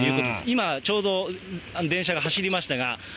今、ちょうど電車が走りましたが。